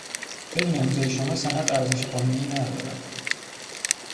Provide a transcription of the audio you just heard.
بدون امضای شما سند ارزش قانونی ندارد.